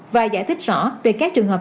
và giải thích rõ về các trường hợp